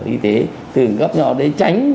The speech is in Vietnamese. y tế từ gấp nhỏ để tránh